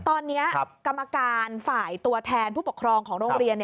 ตอนนี้กรรมการฝ่ายตัวแทนผู้ปกครองของโรงเรียน